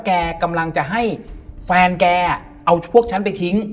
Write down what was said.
แกกำลังจะให้แฟนแกเอาพวกฉันไปทิ้ง